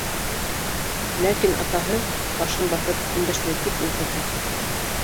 Ләкин атаһы, башын баҫып, өндәшмәй тик ултырҙы.